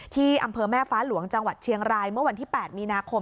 ที่อำเภอแม่ฟ้าหลวงจังหวัดเชียงรายเมื่อวันที่๘มีนาคม